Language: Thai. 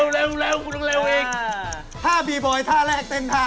ส่งมาส่งมา